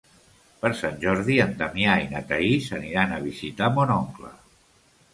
Per Sant Jordi en Damià i na Thaís aniran a visitar mon oncle.